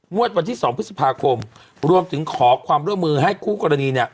วันที่๒พฤษภาคมรวมถึงขอความร่วมมือให้คู่กรณีเนี่ย